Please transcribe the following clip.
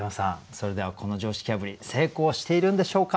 それではこの常識破り成功しているんでしょうか？